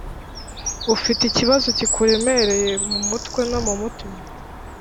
ufite ikibazo kikuremereye mu mutwe no mu mutima.